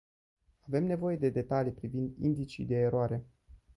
Avem nevoie de detalii privind indicii de eroare.